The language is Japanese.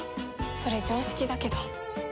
それ常識だけど。